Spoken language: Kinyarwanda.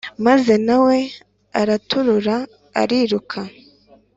maze nawe araturura ariruka